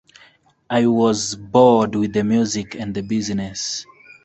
I was bored with the music and the business.